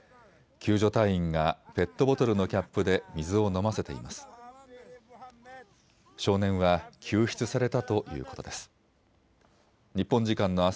救助隊員がペットボトルのキャップで水を飲ませています。